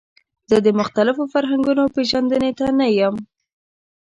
زه د مختلفو فرهنګونو پیژندنې ته نه یم.